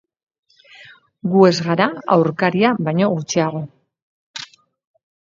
Gu ez gara aurkaria baino gutxiago.